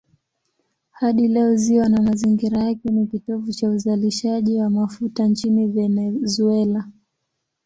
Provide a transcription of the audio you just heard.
Hadi leo ziwa na mazingira yake ni kitovu cha uzalishaji wa mafuta nchini Venezuela.